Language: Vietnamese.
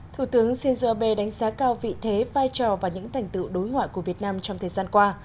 thủ tướng shinzo abe đánh giá cao vị thế vai trò và những thành tựu đối ngoại của việt nam trong thời gian qua